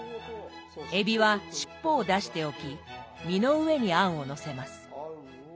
えびは尻尾を出しておき身の上に餡をのせます。